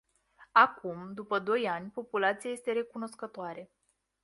Acum, după doi ani, populația este recunoscătoare.